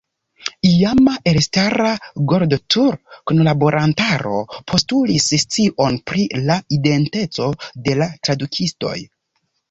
Iama elstara Gardotur-kunlaborantaro postulis scion pri la identeco de la tradukistoj.